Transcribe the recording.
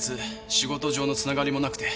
仕事上の繋がりもなくて。